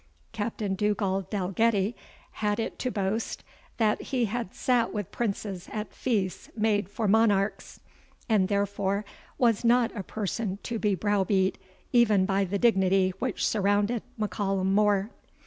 Captain Dugald Dalgetty had it to boast, that he had sate with princes at feasts made for monarchs, and therefore was not a person to be brow beat even by the dignity which surrounded M'Callum More.